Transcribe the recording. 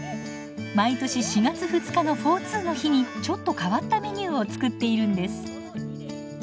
毎年４月２日のフォーツーの日にちょっと変わったメニューを作っているんです。